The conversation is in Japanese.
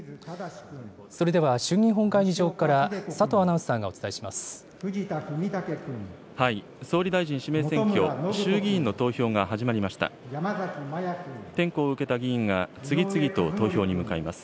それでは衆議院本会議場から佐藤アナウンサーがお伝えします。